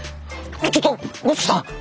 ちょっと五色さん！